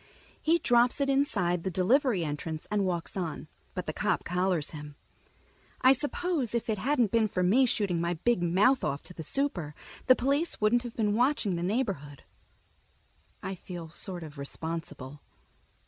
He drops it inside the delivery entrance and walks on, but the cop collars him. I suppose if it hadn't been for me shooting my big mouth off to the super, the police wouldn't have been watching the neighborhood. I feel sort of responsible.